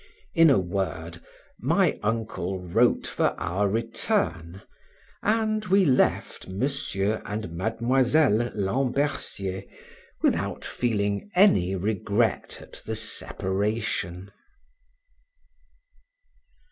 In a word, my uncle wrote for our return, and we left Mr. and Miss Lambercier without feeling any regret at the separation.